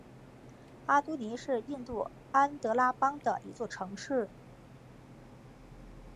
阿多尼是印度安得拉邦的一座城市。